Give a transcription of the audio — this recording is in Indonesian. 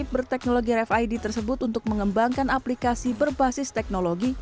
berteknologi rfid tersebut untuk mengembangkan aplikasi berbasis teknologi